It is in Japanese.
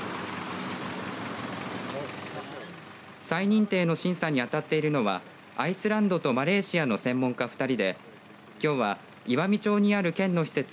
再認定の審査に当たっているのはアイスランドとマレーシアの専門家２人できょうは岩美町にある県の施設